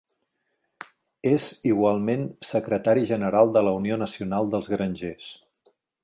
És igualment Secretari general de la Unió nacional dels Grangers.